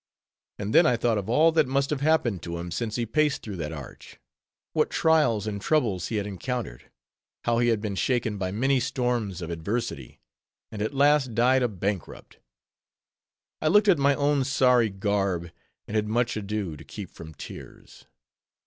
And then I thought of all that must have happened to him since he paced through that arch. What trials and troubles he had encountered; how he had been shaken by many storms of adversity, and at last died a bankrupt. I looked at my own sorry garb, and had much ado to keep from tears.